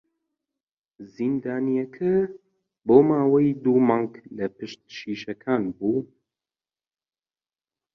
زیندانییەکە بۆ ماوەی دوو مانگ لە پشت شیشەکان بوو.